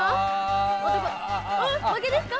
負けですか？